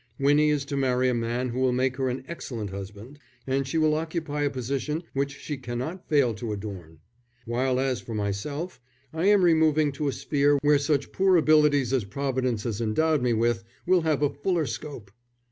Winnie is to marry a man who will make her an excellent husband, and she will occupy a position which she cannot fail to adorn. While as for myself I am removing to a sphere where such poor abilities as Providence has endowed me with, will have a fuller scope.